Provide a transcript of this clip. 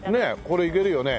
これいけるよね。